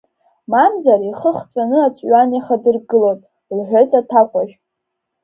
Мамзар ихы хҵәаны аҵәҩан иахадыргылоит, — лҳәеит аҭакәажә.